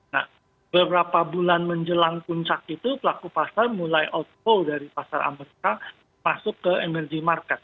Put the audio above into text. nah beberapa bulan menjelang puncak itu pelaku pasar mulai outflow dari pasar amerika masuk ke emerging market